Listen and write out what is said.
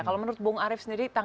kalau menurut bung arief sendiri